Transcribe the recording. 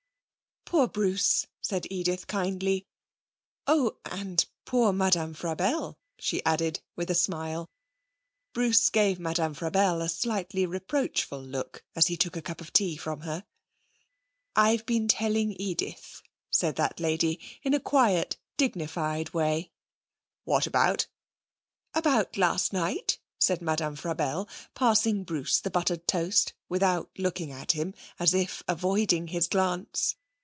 'Poor Bruce!' said Edith kindly. 'Oh, and poor Madame Frabelle,' she added, with a smile. Bruce gave Madame Frabelle a slightly reproachful look as he took a cup of tea from her. 'I've been telling Edith,' said that lady in a quiet, dignified way. 'What about?' 'About last night,' said Madame Frabelle, passing Bruce the buttered toast without looking at him, as if avoiding his glance.